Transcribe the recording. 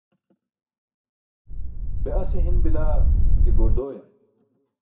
Be ase hin bilaa ke, goor dooyam!